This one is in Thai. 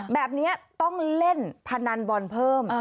แบบนี้ต้องเล่นพนันบอลเพิ่ม